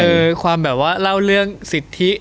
คือความแบบว่าเล่าเรื่องสิทธิ